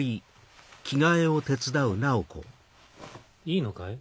いいのかい？